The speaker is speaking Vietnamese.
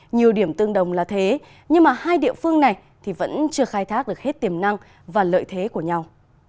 nhiều điểm tương đồng là thế nhưng mà hai địa phương này vẫn chưa khai thác được hết tiềm năng và lợi thế của nhau